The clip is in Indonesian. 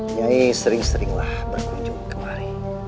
kiai sering seringlah berkunjung kemari